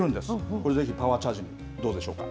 これ、ぜひパワーチャージにどうでしょうか。